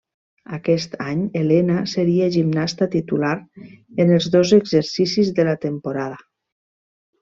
Aquest any Elena seria gimnasta titular en els dos exercicis de la temporada.